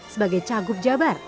sebagai cagub jabar